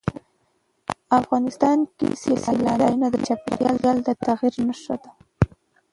افغانستان کې سیلانی ځایونه د چاپېریال د تغیر نښه ده.